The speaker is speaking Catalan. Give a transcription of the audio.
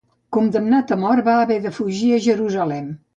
Condemnat a mort va haver de fugir a Jerusalem.